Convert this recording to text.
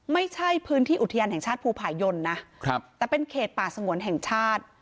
ไม่ใช่พื้นที่อุทยานแห่งชาติภูผายนนะครับแต่เป็นเขตป่าสงวนแห่งชาติ